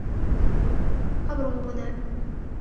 قبره هناك.